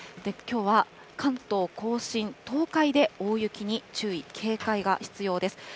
きょうは関東甲信、東海で大雪に注意、警戒が必要です。